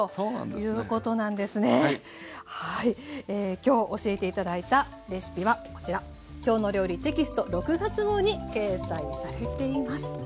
今日教えて頂いたレシピはこちら「きょうの料理」テキスト６月号に掲載されています。